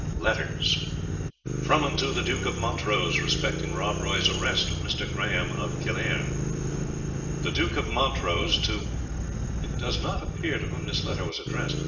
II. LETTERS FROM AND TO THE DUKE OF MONTROSE RESPECTING ROB ROY'S ARREST OF MR. GRAHAME OF KILLEARN. _The Duke of Montrose to _It does not appear to whom this letter was addressed.